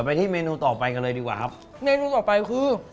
ไปที่เมนูต่อไปกันเลยดีกว่าครับเมนูต่อไปคือ